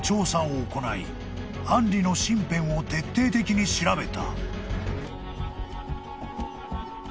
［アンリの身辺を徹底的に調べた］